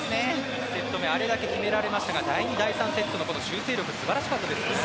１セット目あれだけ決められましたが第２セット、第３セットで修正力、素晴らしかったですね。